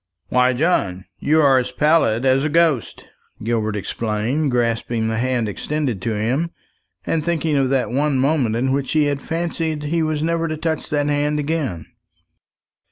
"Why, John, you are as pallid as a ghost!" Gilbert exclaimed, grasping the hand extended to him, and thinking of that one moment in which he had fancied he was never to touch that hand again.